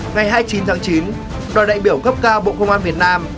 ngày hai mươi chín tháng chín đoàn đại biểu cấp cao bộ công an việt nam